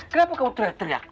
kenapa kau teriak teriak